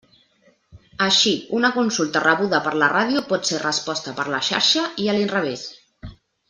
Així, una consulta rebuda per la ràdio pot ser resposta per la Xarxa i a l'inrevés.